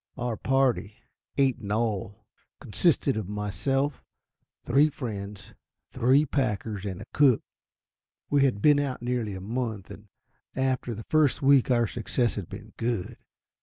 Our party, eight in all, consisted of myself, three friends, three packers, and a cook. We had been out nearly a month, and after the first week our success had been good.